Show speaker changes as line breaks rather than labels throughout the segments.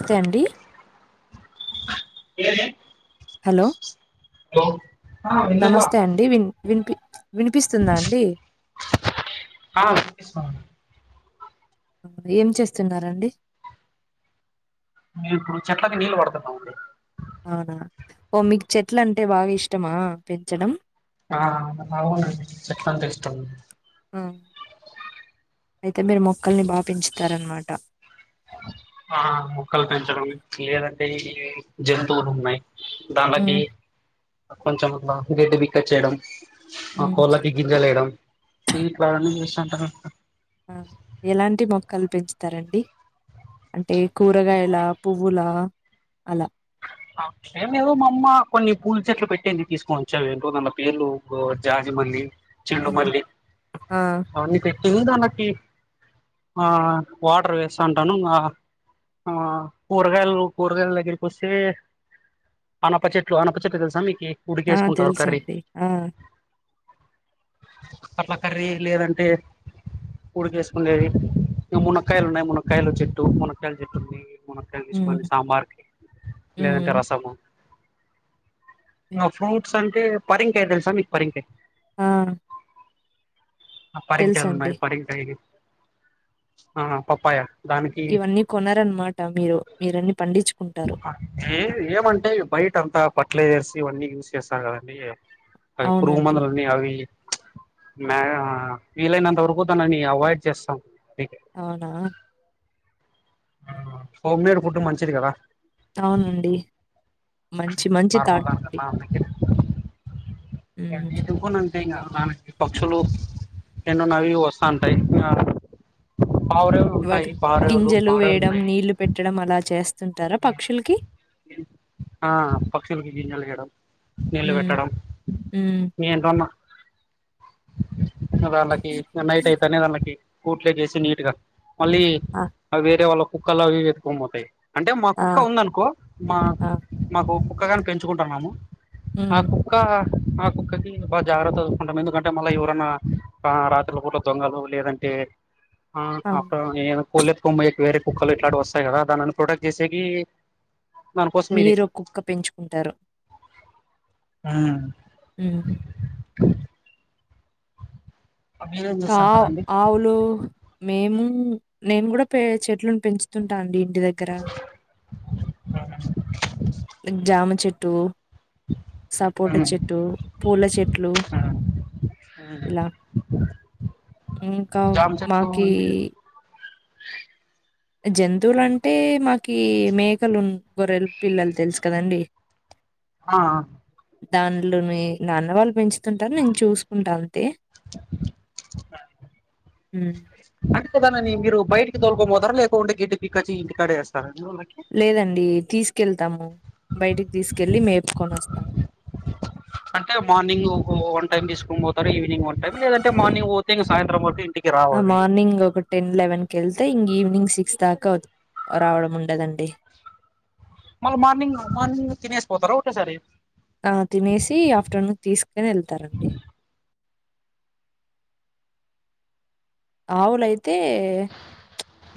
స్తే అండి
ఏది
హలో
ఆ ఎందుకు
నమస్తే అండి విన్ వినిపి వినిపిస్తుందా అండి
ఆ వినిపిస్తుంది
ఏం చేస్తున్నరండి
మే ఇప్పుడు చెట్లకి నీళ్ళు పడుతున్నామండి
అవునా ఓ మీకు చెట్లు అంటే బాగా ఇష్టమా పెంచడం
ఆ అవునండి చెట్లంటే ఇష్టం
అయితేదేమో
ఆ మొక్కలు పెంచడం లేదండి ఇ జంతువులు ఉన్నాయి దానలోకి
ఉమ్
కొంచెం లాసిగడ్డ బిక్క చేేయడం ఆ
ఉమ్
కోళ్ళకి గింజలుయడం వీట్ వా చేాంట
ఎలాంటి మొక్కలు పెంచుతారండి అే అంటే కూరగాయల పువ్వులా అలా
ే ఏదో మా అమ్మ కొన్ని పూలు చెట్లు పెట్టేందు తీసుకొని వచ్చాంటో నన్న పేర్లు జాజి మల్లి చెలు
ఉమ్
మల్లి
ఆ
అవన్నీ పెట్టింది దానకి ఆ వాటర్ వేస్తా అంటాను ఆ కూరగాయలు కూరగాయలు దగిర్కు వస్తే అనప చెట్లు అనప చెట్లు తెలుసా మీకు
ఆ
ఉడికేసుకుంటారు కర్రీ
తెలుసండి ఆ
అట్లా కర్రీ లేదంటే ఉడిక వేసుకుండేవి ఇక మునక్కకాయలు ఉన్నాయి మునక్కాయలు చెట్టు మునక్కయల చెట్టు ఉన్నా మునక్కాయలు
ఉమ్
తీసుకోని సాంబార్కి లేదంటే
ఉమ్
రసము ఫ్రూట్స్ అంటే పరింకాయ తెలుసా మీకు పరింకాయ
ఆ
ఆ పరికాయలు పరికాయలు
తెలుసండి
ఉన్నాయి పరికాయ పప్పాయ దానికి
ఇవన్నీ కొనారన్నమాట మీరు మీరన్నన్ని పండించు
ఏ ఏమంటే బయట అంతా పట్లైజర్స్ ఇవన్నీ యూస్ చేస్తాను కదంీ అవి పురుగు
అవునండి
మందులని అవి ఇవి మై వీలైనంత వరుకుతునని అవాయిడ్ చేస్తాం
అవునా
హోమ్మేడ్ ఫుడ్ మంచిది కదా
అవునండి మంచి మంచి
నార్మల్
థాట్ అండి హ్మ్.
[unintelligible] ఇంకా అ పక్షులు ఎన్నోన్నవి వస్తా ఉంటాయి ఆ
వటి గింజలు వేయడం
ఉన్నాయి
నీళ్లు పెట్టడం అలా చేస్తుంటారా పక్షులకి
ఆ పక్షులకి గిన్నెలు వేయడం నీళ్ళు
హ్మ్.
పెట్టడం
హ్మ్.
నేంట ఉన్నా దాళ్ళకి నైట్ అయితేనే దాళ్ళకి కూట్లే చేేసి నీట్ గా మళ్ళీ
ఆ!
వేరే వాళ్ళ కుక్కలు అవి వెతుకొని పోతాయి అంటే మా
ఆ!
కుక్క ఉందనుకో మా
ఆ!
మాకు కుక్క కాని పెంచుకుంటున్నాము ఆ
హ్మ్.
కుక్క ఆ కుక్కకి బాగా జాగ్రత్త చసుకుంటాం ఎందుకంటే మళ్ళీ ఎవరైన్నా రాత్రిల పూటల దొంగలు లేదంటే ఆ ఆఫ
అవును.
కోల్త్ ఎత్తుకొని పో వేరే కుక్కలు ఇట్లాంటి వస్తాయి కదా దానిని ప్రొడక్ట్ చేసేకి దానికోసం ఇది
మీరు కుక్క పెంచుకుంటారు
హ
ఉహూ
అ
ఆ
చేస్తాంటారండి
ఆవులు మేము నేను కూడా పే చెట్లను పెంచుతుంటా అండి ఇంటి దగ్గర జామ చెట్టు సపోట చెట్టు పూల చెట్లు ఇలా.
అవునా
ఇంకా మాకి
అంటే
జంతువులంటే మాకి మేకలు గొర్రెలు పిల్లలు తెలుసు కదండి
ఆ ఆ
దానిలోనే నాన్న వాళ్ళు పెంచుతుంటారు నేను చూసుకుంటా అంతే హ్మ్.
అట్కదానా [unintelligible] ని గిరు బయటికి తోకో మ గొర్రెలు ఎక్కువ ఉంటే గడ్డి పిక్కచ్చి ఇంటికాడ వేస్తారా అండి వాళ్ళకి
లేదండి తీసు కెళ్తాము బయటికి తీసుకెళ్ళి మేపుకొని వస్తాము
అంటే మార్నింగ్ వన్ టైమ్ తీసుకుని పోతారు ఈవినింగ్ వన్ టైమ్ లేదంటే మార్నింగ్ పోతే ఇంగ సాయంత్రం వరకు ఇంటి
ఆ మార్నింగ్ ఒక టెన్ లెవెన్ కి వెళ్తే ఇంగ ఈవినింగ్ సిక్స్ దాక రావడం ఉండదండి
మల్లి మార్నింగ్ మార్నింగ్ తినేసి పోతార ఓకే సారి
ఆ తినేసి ఆఫ్టర్నూన్ తీసుకని వెళ్తారండి ఆవులయితే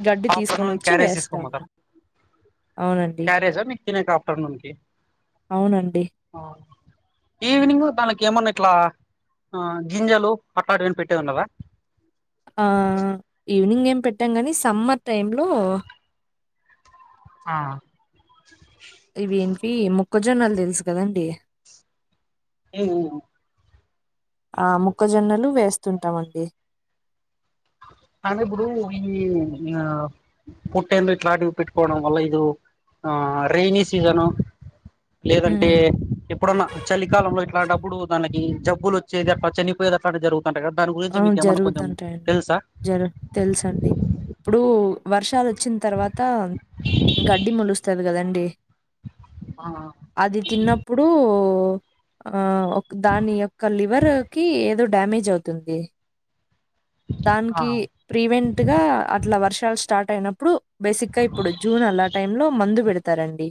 గడ్డి తీసుకొని వచ్చి వేస్తాము అవునండి.
కారే సార్ నక్ిన ఆఫ్టర్నూన్ క
అవునండి.
[unintelligible] ఈవ్నింగ్ త ఏమన్నా ఇట్లా ఆ గింజలు అట్లాంటివీ పెట్టేది ఉండదా
ఆ ఈవినింగ్ ఏం పెట్టాం కాని సమ్మర్ టైమ్ లో
ఆ
ఇ వేంటి మోక్కజొన్నలు తెలుసు కదండి
ఏ [inaudible]
ఆ మోక్కజొన్నలు వేస్తుంటా మండి
కానీ ఇప్పుడు ఈ ఇగ పొట్టెల్లు ఇట్లాంటివి పెట్టుకోవడం వల్ల ఇది ఆ రెైనీ సీజను లేదంటే
ఉమ్
ఎప్పుడన్న చలికాలంలో ఇట్లంటప్పుడు దానికి జబ్బులు వచ్చేది అట్లా చనిపోయేది అట్లా జరుగు దాని గురించి మీకు ఏమైన్నా కొంచెం తెలుసా
జర తెలుసు అండి ఇప్పుడు వర్షాలు వచ్చిన తర్వాత గడ్డి మోలుస్తది కదండి
ఆ
అది తిన్నప్పుడు ఆ దాని యొక్క లివర్ కి ఏదో డ్యామేజ్ అవుతుంది
ఆ
దానికి ప్రీవెంట్గా అట్లా వర్షాలు స్టార్ట్ అయినప్పుడు బేసిక్గా ఇప్పుడు జూన్ అల్లా టైమ్ లో మందు పెడతారండి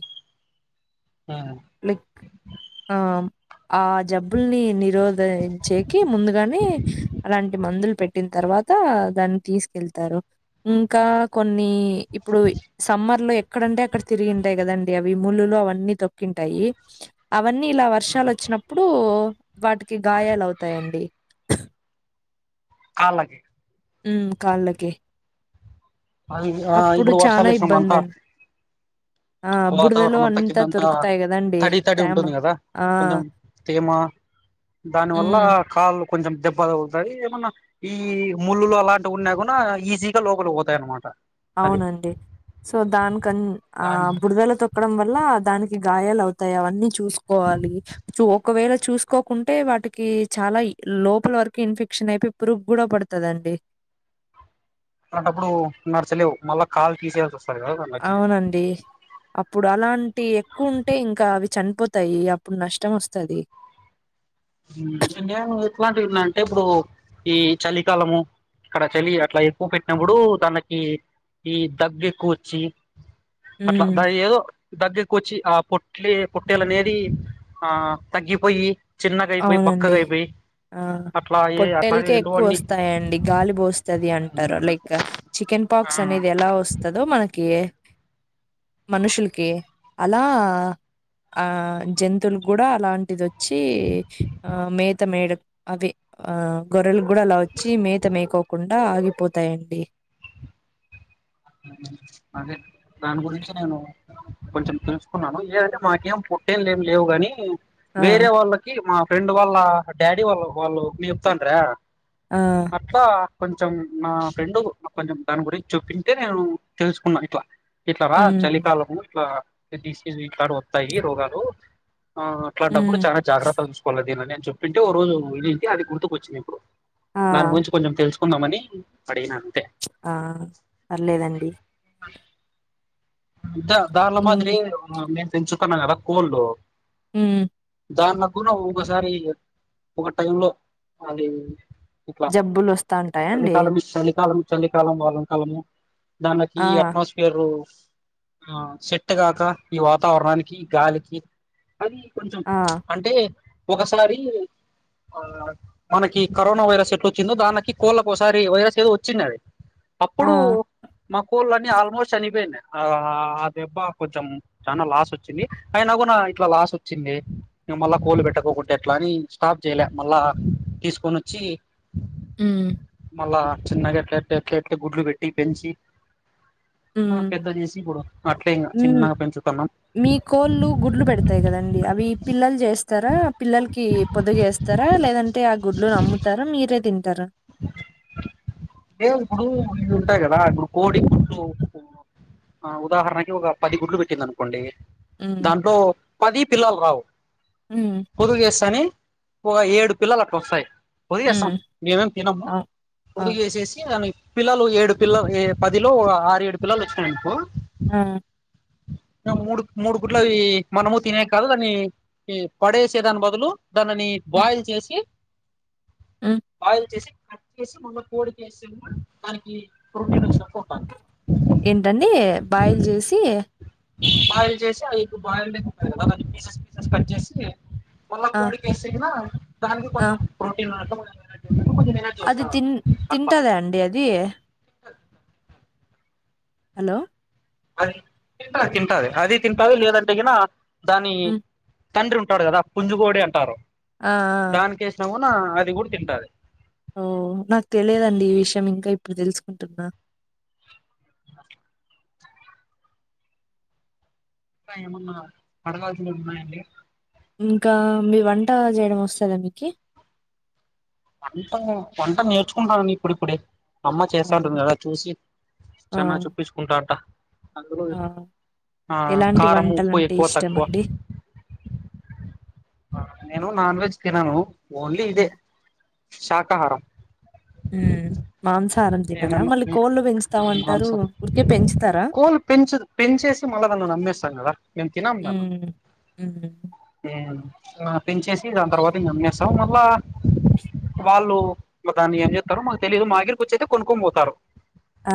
లైక్ ఆ ఆ జబ్బుల్ని నిరోధించేకి ముందుగానే అలాంటి మందులు పట్టిన తర్వాత దాన్ని తీసుకెళ్తారు ఇంకా కొన్ని ఇప్పుడు సమ్మ లో ఎక్కడంటే అక్కడ తిరిగింటాయి కదండి అవి ముళ్లులు అవన్నీ తొక్కింటాయి అవన్నీ ఇలా వర్షాలు వచ్చినప్పుడు వాటికి గాయాలు అవుతాయండి
గే
ఉం కాళ్ళకే
అవి ఆ
అప్పుడు
ఇప్పుడు
చాలా
వర్షాలు వచ్చినప్పుడు
ఇబ్బంది
అంతా
అండి ఆ బురదలో
వాతావరణం
అంతా
కిందంతా
తొరుకుతాయి కదండి తేమ ఆ!
తేమా దాని వల్ల
హ్మ్.
కాళ్ళు కొంచెం దెబ్బ తగుల్తాది ఏమన్నా ఈ ముళ్ళులు అలాంటివి ఉన్నా కూడా ఈజీగా లోపలి పో తయనమాట
అవునండి సో దానికన్ ఆ
దాని
బుడదల తొక్కడం దానికి గాయాలౌతాయి అవన్నీ చూసుకోవాలి సో ఒకవేళ చూస్ కోకుంటే వాటికి చాలా లోపల వరకు ఇన్ఫెక్షన్ అయిపొయ్ పురుగ్గూడా బడుతదండి
అంటాంటప్పుడు నడచలేవు మళ్ళా కాళ్లు తీసేయాల్సి వస్తాది గదా వాళ్ళకి
ఇప్పుడు అలాంటి ఎక్కువ ఉంటే ఇంకా అవి చనిపోతాయి అప్పుడు నష్టం వస్తాది
నేను ఎట్లాంటివిన్నా అంటే ఇప్పుడు ఈ చలికాలము ఇక్కడ చలి అట్ల ఎక్కువ పెట్టినప్పుడు తనకి ఈ దగ్గు ఎక్కువొచ్చి అట్ల
ఉమ్
ద ఏదో దగ్గిరకొచ్చి ఆ పొట్లే పొట్టేలనేది ఆ తగ్గిపొయ్యీ చిన్నగైపొయి
అవునండి
బక్కగైపొయ్
ఆ పొట్టేల్కే ఎక్కువ వస్తాయండి గాలి బోస్తది అంటారు లైక్ చికెన్
ఆ
ఇంపాక్స్ అనేది ఎలా వస్తదో మనకి మనుషుల్కి అలా ఆ జంతువులు గూడా అలాంటిదొచ్చి ఆ మేత మేయడం అవి ఆ గొర్రెల్ గుడా అలా వచ్చి మేత మెయ్కోకుండా అవి పోతాయండి
అదే దాని గురించి నేను కొంచెం తెలుసుకున్నాను ఏదంటే మాకేం పొట్టేలేం లేవు గాని
ఆ
వేరే వాళ్ళకి మా ఫ్రెండ్ వాళ్ళ డాడీ వాళ్ళ్ వాళ్ళు మేప్తాండ్రా
ఆ
అట్లా కొంచెం నా ఫ్రెండు కొంచెం దాని గురించి చూపి నేను తెలుసుకున్నా ఇట్లా ఇట్ల రా
ఉమ్
చలికాలము ఇట్లా డిసీస్ ఇట్లాటి వొత్తాయి రోగాలు ఆ అట్లాంటప్పుడు
ఉమ్
చానా జాగ్రత్తగా చూసుకోవాల్ దీనిని చెప్పింటే ఓ రోజు వెళింటే అది గుర్తుకొచ్చింది ఇప్పుడు
ఆ
దాని గురించి కొంచెం తెల్సు కుందామని అడిగినాను
ఆ పర్లేదండి
దానిల
ఉమ్
మాదిరి నేను పెంచుకున్న గదా కోళ్ళు
మ్మ్
దాన్లో కూడా ఒకసారి ఒక టైం లో అది ఇక
జబ్బులు
చలి
వస్తాంటాయండి
కాలం చలి కాలం చలికాలం వాలం కాలము దానకి
ఆ
అట్మాస్ఫియర్ ఆ సెట్టుగాక ఈ వాతావరణానికి గాలికి అది కొంచెం
ఆ
అంటే ఒకసారి ఆ మనకి కరోనా వైరస్ ఎట్లొచ్చిందో దానికి కోళ్ళ కోసారి వైరస్ ఏదో వచ్చిందది
ఆ
అప్పుడు మా కోళ్ళన్నీ ఆల్మోస్ట్ చనిపోయినా ఆ ఆ దెబ్బ కొంచెం చానా లాస్ వచ్చింది అయినా కూన ఇట్లా లాస్ వచ్చింది ఇగ మళ్ళా కోలు పెట్టకోకుంటే ఎట్ల అని స్టాప్ చైల మళ్ళా తీస్కోనొచ్చి
మ్మ్
మళ్ళా చిన్నగా గెట్లెట్లే గుడ్లు పెట్టి పెంచి
ఉమ్
పెద్ద జేసి ఇబుడు అట్లే ఇంగ
ఉమ్
చిన్నగా పెంచుతన్
మీ కోళ్ళు గుడ్లు బెడతాయి గదండి అవి పిల్లల్ చేస్తారా పిల్లల్కి పొదుగేస్ స్తరా లేదంటే ఆ గుడ్లు అమ్ముతారా మీరే తింటరా
లేదిప్పుడు ఇవి ఉంటాయి కదా ఇప్పుడు కోడి గుడ్లు ఆ ఉదాహరణకి ఒక పది గుడ్లు పెట్టింది అనుకోండి
ఉమ్
దాంట్లో పది పిల్లలు రావు
ఉమ్
పొదులు చేస్తానే ఒ ఏడు పిల్లలు అట్లా వస్తాయ్
ఉమ్
పొదిగెస్తాం మేమేం తినము
ఆ! ఆ!
పొదిగి యేసేసి దాని పిల్లలు ఏడు పిల్లలు ఏ పదిలో ఒక ఆరు ఏడు పిల్లలు వచ్చినాయి అనుకో
ఆ!
మూడు మూడు గుట్లువి మనము తినే కాదు దాన్ని పడేసే దాని బదులు దానని
హ్మ్.
బాయిల్ చేసి
హ్మ్.
బాయిల్ చేసి కట్ చేసి మళ్ళా కోడికేస్తేగున దానికి ప్రోటీన్ వస్తాది.
ఏంటండి బాయిల్ చేసి
బాయిల్ చేసి ఆ ఎగ్ బాయిల్ ఉంటాది కదా దాన్ని పీసెస్ పీసెస్ కట్ చేసి మళ్ళ
ఆ!
కోడిస్తే గినా దానికి
ఆ!
కొంచెం ప్రోటీన్ కొంచెం ఉన్నట్టు, కొంచెం ఎనర్జీ
అది
వస్తుంది
తిన్
అట్లా
తింటదా అండి అది హలో
అది తంటది తింటది అది తింటది లేదంటే గినా దాని
హ్మ్.
తండ్రి ఉంటాడు కదా పుంజుకోడి అంటారు
ఆ! ఆ!
దానికి యేసినాగునా అది కూడా తింటది.
ఓ నాకు తెలియదండి ఈ విషయం ఇంకా ఇప్పుడు తెలుసుకుంటున్నా.
[unintelligible] ఇంకా ఏమన్నా అడగలసినవి ఉన్నాయా అండి
ఇంకా మీ వంట చేయడం వస్తదా మీకి
వంట వంటను నేర్చుకుంటాన్నానండి ఇప్పుడిప్పుడే. అమ్మ
ఆ!
చేస్తాంటుంది కదా చూసి
ఆ!
చానా చొప్పించుకుంటంటా.
ఆ ఎలాంటి
కారం ఉప్పు
వంటలంటే
ఎక్కువ తక్కువ
ఇష్టమండి [inaudible]
నేను నాన్ వెజ్ తినను ఓన్లీ ఇదే
హ్మ్.
శాకాహారం
[inaudible] మాంసాహారం తినరా మళ్ళీ
ఏనన్నా
కోళ్ళు పెంచుతామంటారు
మాంసం
ఉరికే పెంచుతారా.
కోళ్ళు పెంచు పెంచేసి మళ్ళా దాండ్లాని అమ్మేస్తాము కదా మేము తినము దాండ్లని.
హ్మ్. హ్మ్.
ఆ పెంచేసి దాని తర్వాత ఇంగా అమ్మేస్తాం మళ్ళా వాళ్ళు మా దాన్ని ఏం చెస్తారో మాకు తెలిదు మా దగ్గరికి వచ్చి అయితే కొనుక్కొని పోతారు.
ఆ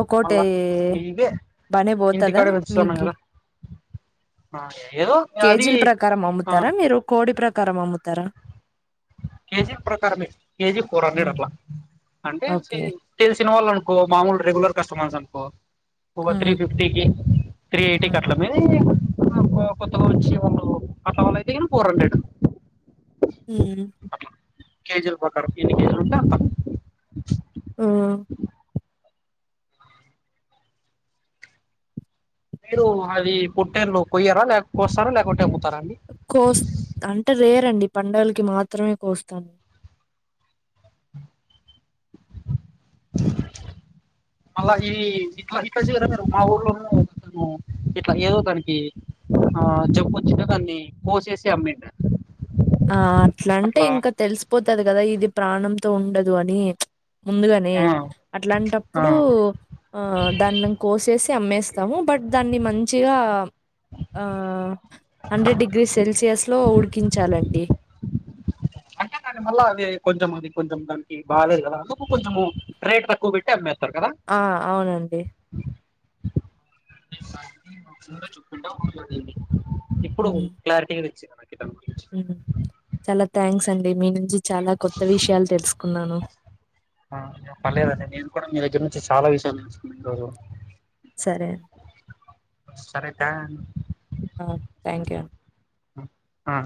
ఒక్కక్కటి
మళ్ళా ఇవే
బనే పోతదా
ఇంటికాడ పెంచుతున్నాం
మీకి
కదా ఆ ఏద్
కేజీల ప్రకారం అమ్ముతారా మీరు కోడి ప్రకారం అమ్ముతారా.
కేజీ ప్రకారమే కేజీ ఫోర్ హండ్రెడ్
హ్మ్.
అట్లా అంటే
ఓకే.
సి తెలిసిన వాళ్ళు అనుకో మామూలు రెగులర్ కస్టమర్స్ అనుకో ఒక
హ్మ్.
త్రీ ఫిఫ్టీకి త్రీ ఎయిటీకి అట్లా
హ్మ్.
అ కొ కొత్తగా వచ్చే వాళ్లు అట్లా వాళ్లు అయితేగినా ఫోర్ హండ్రెడు.
ఉ
అట్లా కేజిలా ప్రకారం ఎన్ని కేజిలు ఉంటే అంత [inaudible]
హ్మ్.
మీరు అది పుట్టేళ్లు కొయ్యారా లేక కోస్తారా ల్యాకుంటే అమ్ము
కోస్త్ అంటే రేర్ అండి పండుగలకి మాత్రమే కోస్తాను. [inaudible]
మళ్ళా ఈ ఇట్లా ఇట్లా చియరా [unintelligible] మా ఊర్లోనూ అను ఇట్లా ఏదో దానికి ఆ జబ్బు వచ్చింటే దాన్ని కోసేసి అమ్మిండ్య
ఆ అట్లాంటే ఇంకా తెలిసిపోతది కదా ఇది ప్రాణంతో ఉండదు అని చ్ ముందుగానే
ఆ ఆ
అట్లాంటప్పుడు ఆ దాన్ని కోసేసి అమ్మేస్తాము బట్ దాన్ని మంచిగా ఆ హండ్రెడ్ డిగ్రీస్ సెల్సియస్ లో ఉడికించాలండి డి
కాని మళ్ళీ అది కొంచెం అది కొంచెం దానికి బాగాలేదు కదా అందుకు కొంచెము రేట్ తక్కువ పెట్టి అమ్మారు
ఆ అవునండి
ఇప్పుడు
హ్మ్.
క్లారిటీగా తెచ్చింది నాకు దాని గురించి
చాలా థ్యాంక్స్ అండి మీను చి చాలా కొత్త విషయాలు తెలుసుకున్నాను
ఆ, పర్లేదండి నేను కూడా మీ దగ్గర నుంచి చాలా విషయాలు తెలుసుకున్న ఈ రోజు
సరే అండి
సరే థ్యాంక్
ఆ థ్యాంక్ యూ అండి
ఆ